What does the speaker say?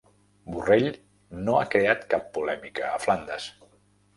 Borrell no ha creat cap polèmica a Flandes